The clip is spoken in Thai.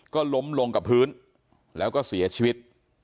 ก็ล้มลงกับพื้นแล้วก็เสียชีวิต